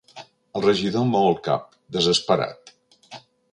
El regidor mou el cap, desesperat.